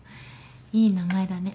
いい名前だね。